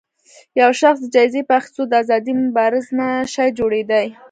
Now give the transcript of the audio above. يو شخص د جايزې په اخیستو د ازادۍ مبارز نه شي جوړېدای